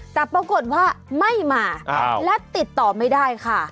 แต่ปรากฏว่าไม่มาและติดต่อไม่ได้ค่ะ